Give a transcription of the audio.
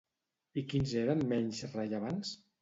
I quins eren menys rellevants?